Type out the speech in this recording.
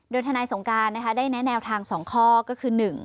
โดยทนายสงการได้แนะแนวทาง๒ข้อก็คือ๑